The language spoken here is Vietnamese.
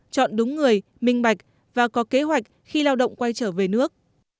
chọn đúng người minh bạch và có kế hoạch khi lao động quay trở về nước